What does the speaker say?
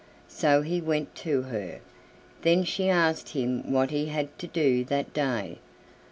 So he went to her. Then she asked him what he had to do that day.